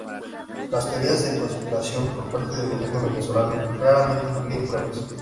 Las teorías de conspiración por parte del gobierno venezolano raramente incluyen pruebas.